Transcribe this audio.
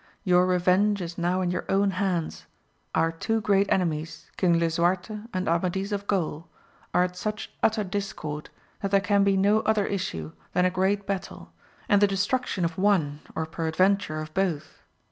Your revenge is now in your own hands, our two great enemies King Lisuarte and Amadis of Gaul, are at such utter discord, that there can be no other issue than a great battle, and the destruction of one, or peradventure of both.